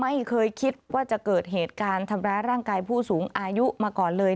ไม่เคยคิดว่าจะเกิดเหตุการณ์ทำร้ายร่างกายผู้สูงอายุมาก่อนเลย